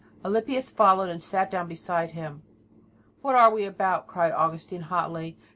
Alypius followed and sat down beside him. "What are we about!" cried Augustine hotly.